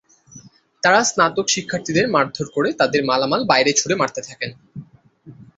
তাঁরা স্নাতক শিক্ষার্থীদের মারধর করে তাঁদের মালামাল বাইরে ছুড়ে মারতে থাকেন।